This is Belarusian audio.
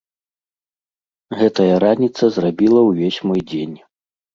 Гэтая раніца зрабіла ўвесь мой дзень.